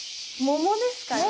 桃ですかね？